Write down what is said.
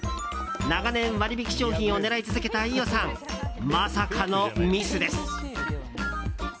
長年、割引商品を狙い続けた飯尾さん、まさかのミスです。